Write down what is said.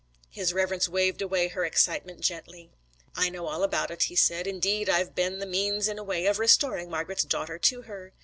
His Reverence waved away her excitement gently. 'I know all about it,' he said. 'Indeed I've been the means in a way of restoring Margret's daughter to her.